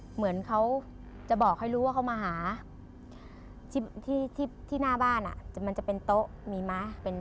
เหมือนเขาจะบอกให้รู้ว่าเขามาหาที่หน้าบ้านมันจะเป็นโต๊ะมีไหม